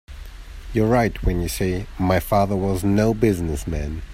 You're right when you say my father was no business man.